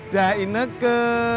dah ini ke